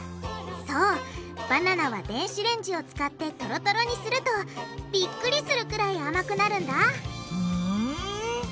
そうバナナは電子レンジを使ってトロトロにするとビックリするくらい甘くなるんだふん。